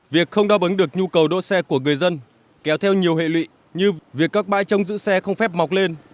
việc không đáp ứng được nhu cầu đỗ xe của người dân kéo theo nhiều hệ lụy như việc các bãi trong giữ xe không phép mọc lên